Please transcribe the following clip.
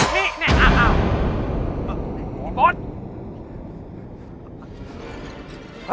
นี่เนี่ย